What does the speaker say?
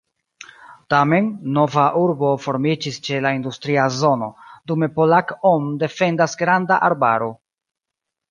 Tamen, nova urbo formiĝis ĉe la industria zono, dume Polack-on defendas granda arbaro.